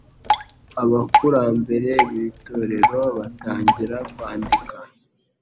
Abakurambere b'itorero batangira kwandika